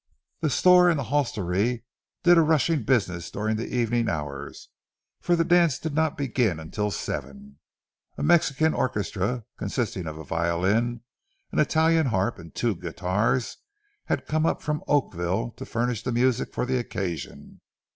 The store and hostelry did a rushing business during the evening hours, for the dance did not begin until seven. A Mexican orchestra, consisting of a violin, an Italian harp, and two guitars, had come up from Oakville to furnish the music for the occasion.